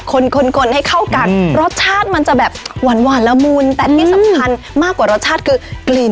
คนคนให้เข้ากันรสชาติมันจะแบบหวานหวานละมุนแต่ที่สำคัญมากกว่ารสชาติคือกลิ่น